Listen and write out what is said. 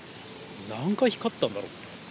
何回光ったんだろう。